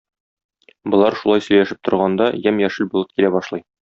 Болар шулай сөйләшеп торганда, ямь-яшел болыт килә башлый.